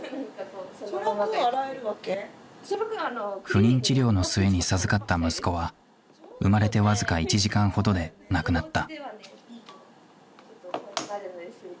不妊治療の末に授かった息子は生まれて僅か１時間ほどで亡くなった。